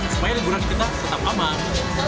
supaya liburan kita tetap aman